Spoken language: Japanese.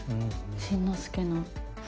新之助の。